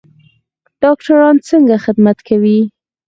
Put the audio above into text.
ډاکټران څنګه خدمت کوي؟